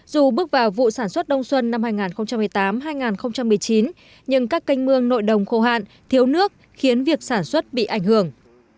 dù bước vào vụ sản xuất đông xuân năm hai nghìn một mươi tám hai nghìn một mươi chín nhưng các canh mương nội đồng khô hạn thiếu nước khiến việc sản xuất bị ảnh hưởng